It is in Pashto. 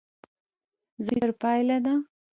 ځواب د فکر پایله ده